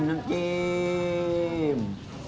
น้ำจี้ม